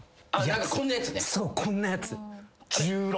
そうこんなやつ。